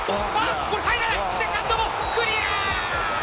セカンドもクリア。